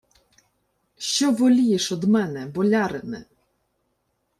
— Що волієш од мене, болярине?